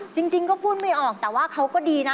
จริงก็พูดไม่ออกแต่ว่าเขาก็ดีนะ